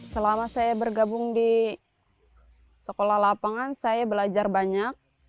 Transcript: selama saya bergabung di sekolah lapangan saya belajar banyak